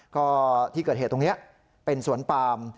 ก็ที่เกิดเหตุตรงนี้เป็นสวนปาม